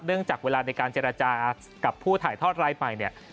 จากเวลาในการเจรจากับผู้ถ่ายทอดรายใหม่เนี่ย